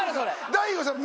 大悟さん